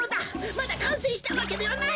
まだかんせいしたわけではないのだ！